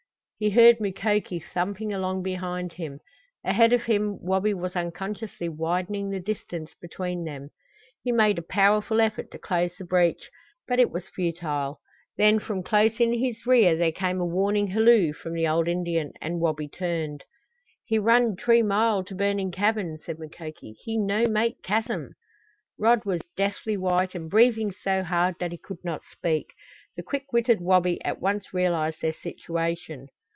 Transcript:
He heard Mukoki thumping along behind him; ahead of him Wabi was unconsciously widening the distance between them. He made a powerful effort to close the breach, but it was futile. Then from close in his rear there came a warning halloo from the old Indian, and Wabi turned. "He run t'ree mile to burning cabin," said Mukoki. "He no make chasm!" Rod was deathly white and breathing so hard that he could not speak. The quick witted Wabi at once realized their situation.